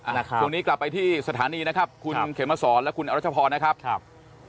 ครับตรงนี้กลับไปที่สถานีนะครับคุณเขมศรและคุณรัชพรนะครับ